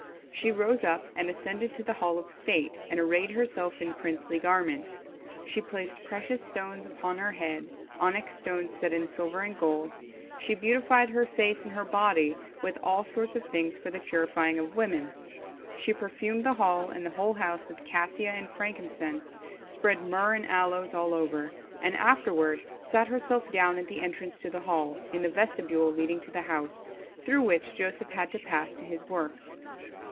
She rose up and ascended to the hall of state, and arrayed herself in princely garments. She placed precious stones upon her head, onyx stones set in silver and gold, she beautified her face and her body with all sorts of things for the purifying of women, she perfumed the hall and the whole house with cassia and frankincense, spread myrrh and aloes all over, and afterward sat herself down at the entrance to the hall, in the vestibule leading to the house, through which Joseph had to pass to his work.